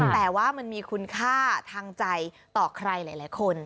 แต่ว่ามันมีคุณค่าทางใจต่อใครหลายคน